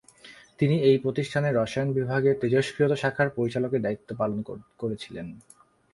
তিনি এই প্রতিষ্ঠানের রসায়ন বিভাগের তেজস্ক্রিয়তা শাখার পরিচালকের দায়িত্ব পালন করেছিলেন।